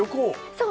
そう！